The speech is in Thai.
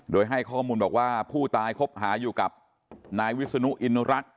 โดยให้ข้อมูลบอกว่าผู้ตายคบหาอยู่กับนายวิศนุอินุรักษ